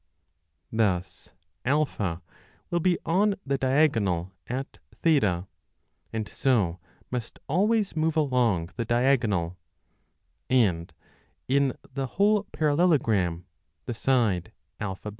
Thus A will be on the diagonal at 0, and so must always move along the diagonal ; and [in the whole parallelogram] the side AB will 23.